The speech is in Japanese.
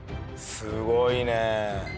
すごいね。